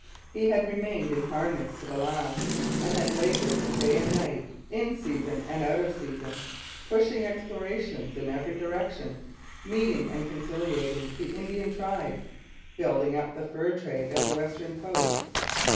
He had remained in harness to the last, and had laboured day and night, in season and out of season, pushing explorations in every direction, meeting and conciliating the Indian tribes, building up the fur trade at the western posts.